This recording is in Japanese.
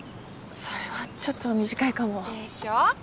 それはちょっと短いかも。でしょ？